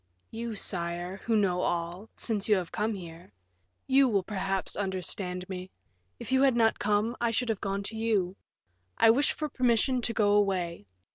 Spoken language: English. "You, sire, who know all, since you have come here; you will, perhaps, understand me. If you had not come, I should have gone to you. I wish for permission to go away.